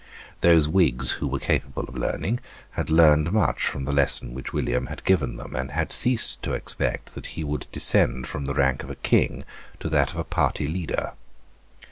Those Whigs who were capable of learning had learned much from the lesson which William had given them, and had ceased to expect that he would descend from the rank of a King to that of a party leader.